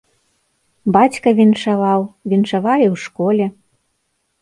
Бацька віншаваў, віншавалі ў школе.